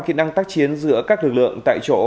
kỹ năng tác chiến giữa các lực lượng tại chỗ